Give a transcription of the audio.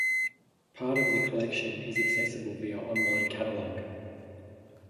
Part of the collection is accessible via an online catalogue.